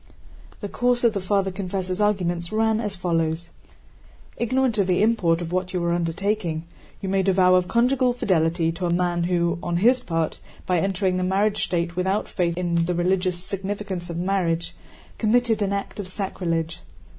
The course of the Father Confessor's arguments ran as follows: "Ignorant of the import of what you were undertaking, you made a vow of conjugal fidelity to a man who on his part, by entering the married state without faith in the religious significance of marriage, committed an act of sacrilege.